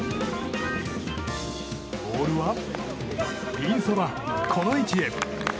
ボールはピンそば、この位置へ。